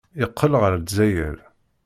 Yeqqel ɣer Lezzayer.